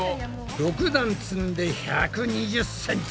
６段積んで１２０ｃｍ。